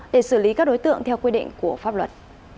để xử lý các đối tượng theo quy định của pháp luật